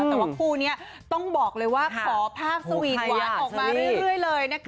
แต่ว่าคู่นี้ต้องบอกเลยว่าขอภาพสวีทหวานออกมาเรื่อยเลยนะคะ